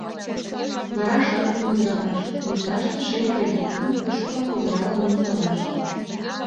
Вара шырпым удыралаш, плиташте шем пыльтыкым кӱшкыла пызыралын нӧлталаш...